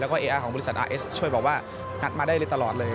แล้วก็เออาร์ของบริษัทอาร์เอสช่วยบอกว่าอัดมาได้เลยตลอดเลย